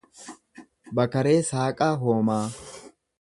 Bakaree Saaqaa Hoomaa